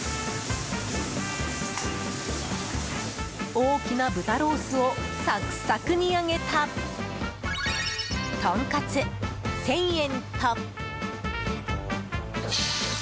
大きな豚ロースをサクサクに揚げたとんかつ、１０００円と。